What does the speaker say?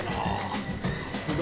さすが。